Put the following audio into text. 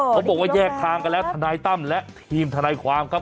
เขาบอกว่าแยกทางกันแล้วทนายตั้มและทีมทนายความครับ